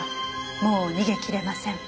「もう逃げ切れません。